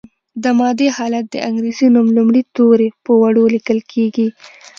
د مادې حالت د انګریزي نوم لومړي توري په وړو لیکل کیږي.